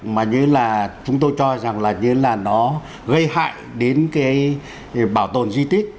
mà như là chúng tôi cho rằng là như là nó gây hại đến cái bảo tồn di tích